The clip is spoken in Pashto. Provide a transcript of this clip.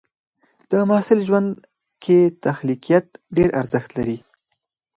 د محصل ژوند کې تخلیقيت ډېر ارزښت لري.